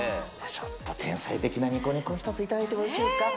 ちょっと天才的なニコニコを一つ、頂いてもよろしいですか？